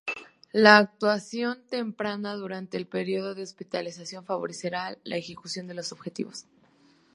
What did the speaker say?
La actuación temprana, durante el periodo de hospitalización, favorecerá la consecución de los objetivos.